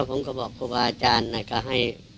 กินโทษส่องแล้วอย่างนี้ก็ได้